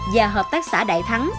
và hợp tác xã đại thắng